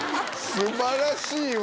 素晴らしいわ。